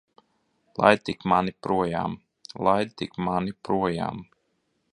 Laid tik mani projām! Laid tik mani projām!